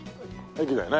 駅だよね。